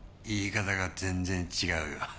言い方が全然違うよ。